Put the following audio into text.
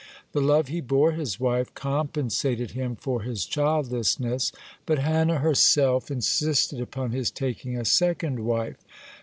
(6) The love he bore his wife compensated him for his childlessness, but Hannah herself insisted upon his taking a second wife.